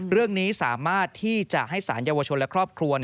เรื่องนี้สามารถที่จะให้สารเยาวชนและครอบครัว